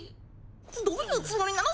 どういうつもりなの？